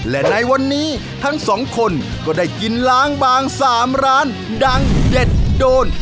และในวันนี้ทั้งสองคนก็ได้กินล้างบาง๓ร้านดังเด็ดโดน